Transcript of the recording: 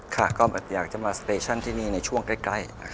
ค่ะก็อยากจะมาสเตชั่นที่นี่ในช่วงใกล้